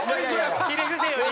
「ひれ伏せ」より？